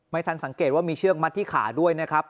ทันสังเกตว่ามีเชือกมัดที่ขาด้วยนะครับ